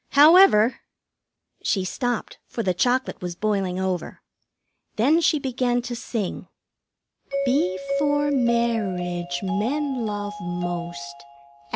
However " She stopped, for the chocolate was boiling over; then she began to sing: "Before marriage, men love most.